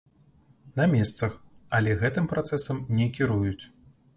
На месцах, але гэтым працэсам не кіруюць.